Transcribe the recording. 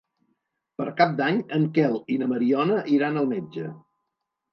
Per Cap d'Any en Quel i na Mariona iran al metge.